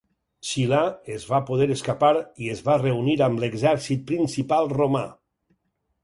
Silà es va poder escapar i es va reunir amb l'exèrcit principal romà.